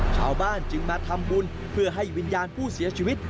ชาวบ้านจึงมาทำบุญเพื่อให้วิญญาณผู้เสียชีวิต